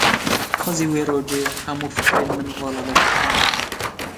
Xwezî wê rojê, hemû fikarên min vala derketana